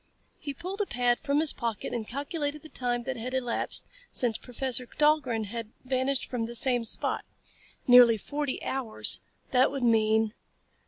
He pulled a pad from his pocket and calculated the time that had elapsed since Professor Dahlgren had vanished from that same spot. Nearly forty hours. That would mean....